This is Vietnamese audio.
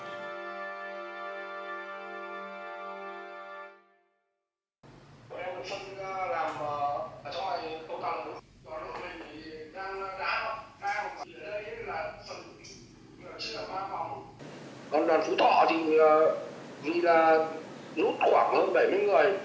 còn đoàn phú thọ thì vì là rút khoảng hơn bảy mươi người